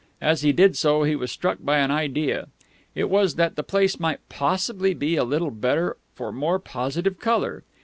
As he did so, he was struck by an idea. It was that the place might possibly be a little better for more positive colour.